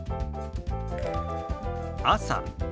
「朝」。